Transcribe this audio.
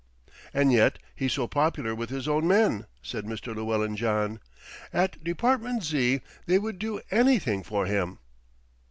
"And yet he's so popular with his own men," said Mr. Llewellyn John. "At Department Z. they would do anything for him."